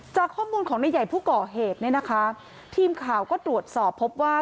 จากข้อมูลของนายใหญ่ผู้ก่อเหตุเนี่ยนะคะทีมข่าวก็ตรวจสอบพบว่า